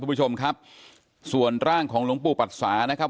คุณผู้ชมครับส่วนร่างของหลวงปู่ปัดสานะครับ